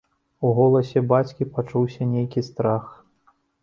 У голасе бацькі пачуўся нейкі страх.